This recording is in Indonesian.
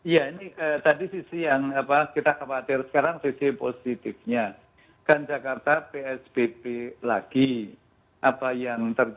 ya ini tadi sisi yang kita khawatir sekarang sisi positifnya kan jakarta psbb lagi apa yang terjadi